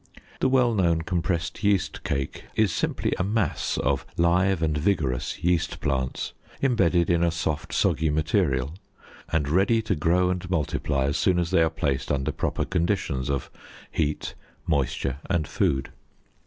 The well known compressed yeast cake is simply a mass of live and vigorous yeast plants, embedded in a soft, soggy material, and ready to grow and multiply as soon as they are placed under proper conditions of heat, moisture, and food.